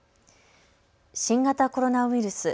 新型コロナウイルス。